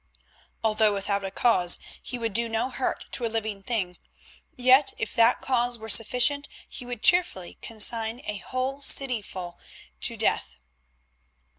Although without a cause he would do no hurt to a living thing, yet if that cause were sufficient he would cheerfully consign a whole cityful to death.